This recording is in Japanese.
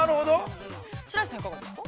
◆白石さん、いかがですか。